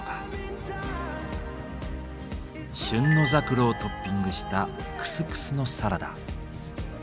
旬のザクロをトッピングしたクスクスのサラダ。